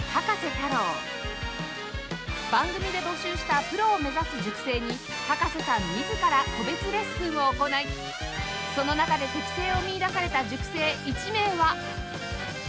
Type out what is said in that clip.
番組で募集したプロを目指す塾生に葉加瀬さん自ら個別レッスンを行いその中で適性を見いだされた塾生１名は